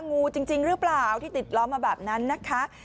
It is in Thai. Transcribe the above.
งูจริงหรือเปล่าที่ติดล้อมาแบบนั้นนะคะ